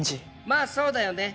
まあそうだよね。